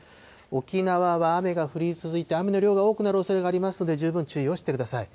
沖縄は雨が降り続いて、雨の量が多くなるおそれがありますので、十分注意をしてください。